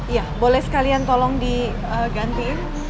iya boleh sekalian tolong digantiin